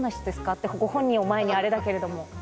って、ご本人を前にあれだけれども。